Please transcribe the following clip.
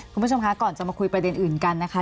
คุณผู้ชมคะก่อนจะมาคุยประเด็นอื่นกันนะคะ